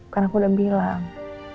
kan aku udah bilang